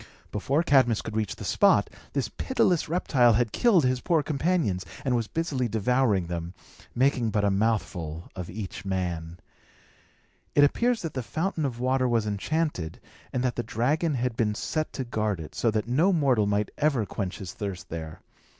Before Cadmus could reach the spot, this pitiless reptile had killed his poor companions, and was busily devouring them, making but a mouthful of each man. It appears that the fountain of water was enchanted, and that the dragon had been set to guard it, so that no mortal might ever quench his thirst there.